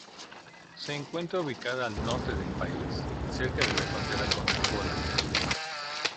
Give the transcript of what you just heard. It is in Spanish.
Se encuentra ubicada al norte del país, cerca de la frontera con Angola.